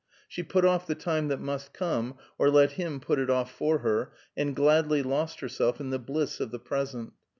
She put off the time that must come, or let him put it off for her, and gladly lost herself in the bliss of the present.